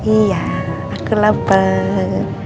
iya aku lapar